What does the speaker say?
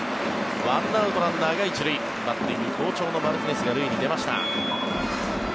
１アウト、ランナーが１塁バッティング好調のマルティネスが塁に出ました。